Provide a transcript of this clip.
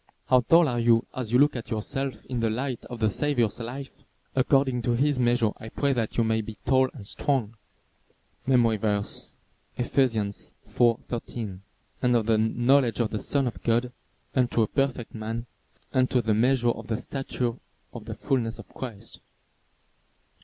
How tall are you as you look at yourself in the light of the Saviour's life? According to his measure I pray that you may be tall and strong. MEMORY VERSE, Ephesians 4: 13 "Till we all come in the unity of the faith, and of the knowledge of the son of God, unto a perfect man, unto the measure of the stature of the fulness of Christ."